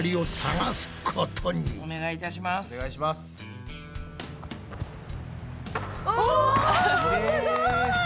すごい！